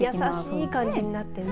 優しい感じになってね。